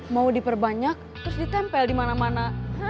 mau diperbanyak terus ditempel dimana mana